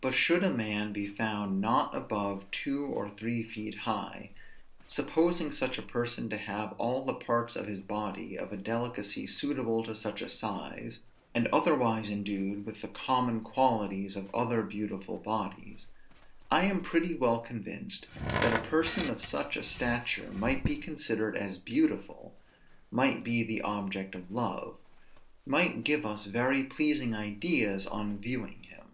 But should a man be found not above two or three feet high, supposing such a person to have all the parts of his body of a delicacy suitable to such a size, and otherwise endued with the common qualities of other beautiful bodies, I am pretty well convinced that a person of such a stature might be considered as beautiful; might be the object of love; might give us very pleasing ideas on viewing him.